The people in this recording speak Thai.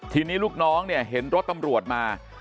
ทีนี้ลูกน้องเนี่ยเห็นรถตำรวจมา